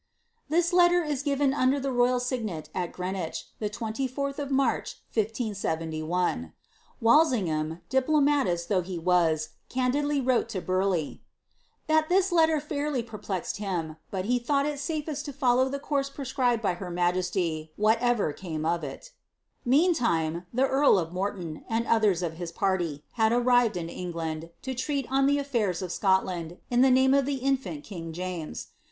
* This letter Is given under the royal signet at Greenwich, the 24th of Blarch, 1571. Walsingham, diplomatist though he was, candidly wrote to Burleigh, ^ that this letter fairly perplexed him ; but he thought it lafest to follow tlie course prescribed by her majesty, whatever came ofit« Meantime, the earl of Morton, and others of his party, had arrived in England, to treat on the aflairs of Scotland, in the name of the infant, king James.